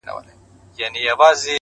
چي سُجده پکي نور په ولاړه کيږي